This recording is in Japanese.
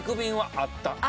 あった。